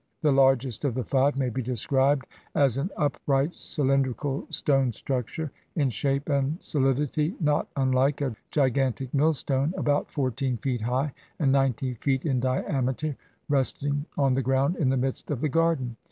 The largest of the five may be described as an upright cylindrical stone structure, in shape and solidity not unlike a gigantic millstone, about fourteen feet high and ninety feet in diameter, resting on the ground in the midst of the garden.